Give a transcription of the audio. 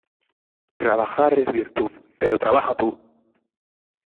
Trabajar es virtud; pero trabaja tú.